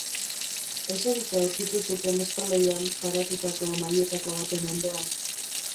Eserita aurkitu zuten espaloian paratutako mahaietako baten ondoan.